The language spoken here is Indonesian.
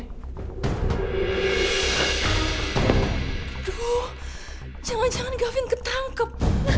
aduh jangan jangan kevin ketangkep